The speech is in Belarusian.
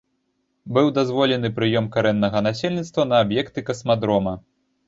Быў дазволены прыём карэннага насельніцтва на аб'екты касмадрома.